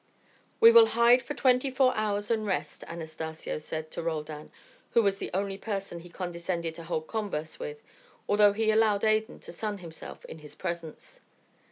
"We will hide for twenty four hours and rest," Anastacio said to Roldan, who was the only person he condescended to hold converse with, although he allowed Adan to sun himself in his presence.